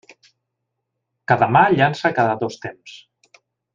Cada mà llança cada dos temps.